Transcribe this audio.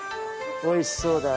おいしそうだ。